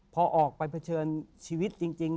พอออกไปเผชิญชีวิตจริง